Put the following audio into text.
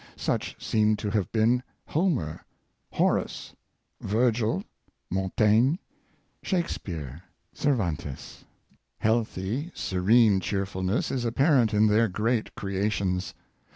Such seem to have been Homer, Horace, Virgil, Montaigne, Shakspeare, Cervantes. Healthy, serene cheerfulness is apparent in their great creations.